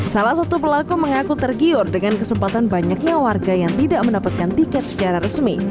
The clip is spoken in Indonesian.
salah satu pelaku mengaku tergiur dengan kesempatan banyaknya warga yang tidak mendapatkan tiket secara resmi